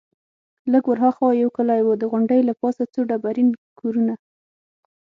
لږ ورهاخوا یو کلی وو، د غونډۍ له پاسه څو ډبرین کورونه.